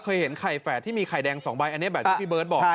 เคยเห็นไข่แฝดที่มีไข่แดง๒ใบอันนี้แบบที่พี่เบิร์ตบอก